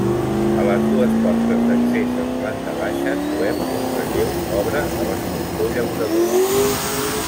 A les dues portes d'accés en planta baixa trobem un relleu obra de l'escultor Llaurador.